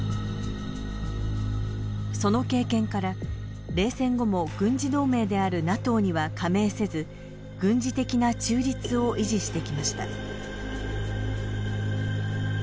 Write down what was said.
その経験から、冷戦後も軍事同盟であるＮＡＴＯには加盟せず軍事的な中立を維持してきました。